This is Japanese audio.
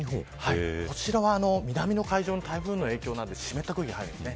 こちらは南の海上の台風の影響で湿った空気が入ります。